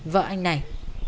vợ anh này